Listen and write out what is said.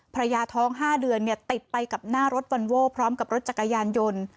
ภรรยาท้อง๕เดือนติดไปกับหน้ารถวอนโว้พร้อมกับรถจักรยานยนต์